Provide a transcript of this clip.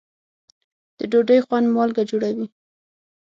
د ډوډۍ خوند مالګه جوړوي.